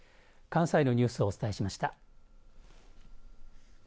関西のニュースをお伝えしました。